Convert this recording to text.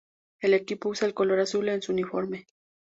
El equipo usa el color azul en su uniforme.